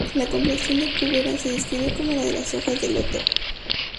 La complexión de Kúbera se describe como la de las hojas de loto.